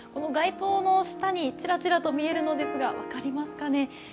街灯の下にちらちらと見えるのですが、分かりますかね。